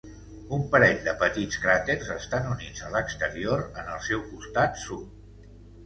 Un parell de petits cràters estan units a l'exterior en el seu costat sud.